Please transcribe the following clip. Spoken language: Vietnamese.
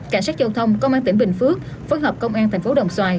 cảnh sát châu thông công an tỉnh bình phước phối hợp công an tp đồng xoài